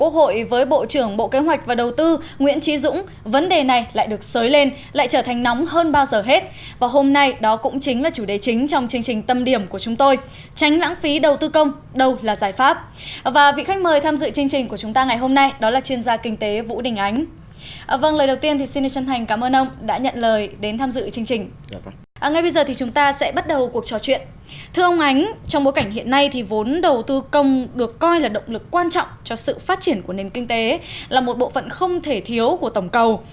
hiện nay vốn đầu tư công được coi là động lực quan trọng cho sự phát triển của nền kinh tế là một bộ phận không thể thiếu của tổng cầu